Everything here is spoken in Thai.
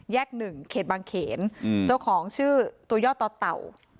แยกหนึ่งเขตบางเขนอืมเจ้าของชื่อตัวยอดต่อเต่า